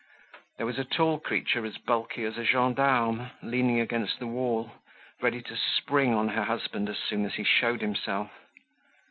There was a tall creature as bulky as a gendarme leaning against the wall, ready to spring on her husband as soon as he showed himself.